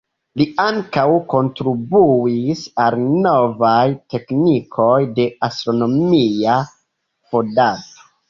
Li ankaŭ kontribuis al novaj teknikoj de astronomia fotado.